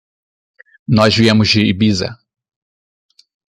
Nós viemos de Ibiza.